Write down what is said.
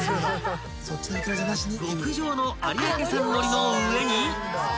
［極上の有明産海苔の上に］